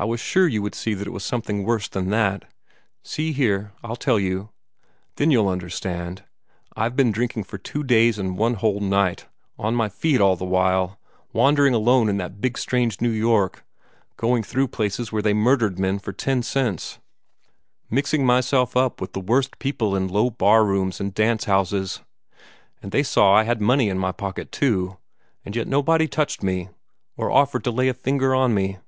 I was sure you would see that it was something worse than that. See here, I'll tell you. Then you'll understand. I've been drinking for two days and one whole night, on my feet all the while, wandering alone in that big strange New York, going through places where they murdered men for ten cents, mixing myself up with the worst people in low bar rooms and dance houses, and they saw I had money in my pocket, too, and yet nobody touched me, or offered to lay a finger on me.